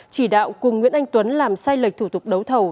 chỉ đạo cùng nguyễn anh tuấn làm sai lệch thủ tục đấu thầu